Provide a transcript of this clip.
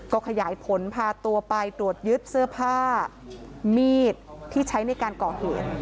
ก็ขยายผลพาตัวไปตรวจยึดเสื้อผ้ามีดที่ใช้ในการก่อเหตุ